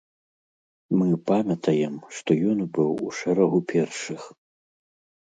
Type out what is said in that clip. Мы памятаем, што ён быў у шэрагу першых.